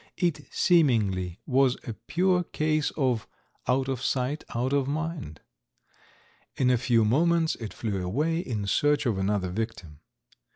It seemingly was a pure case of "out of sight, out of mind." In a few moments it flew away in search of another victim.